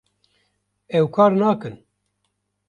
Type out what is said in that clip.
ew kar nakin